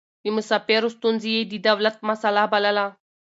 د مسافرو ستونزې يې د دولت مسئله بلله.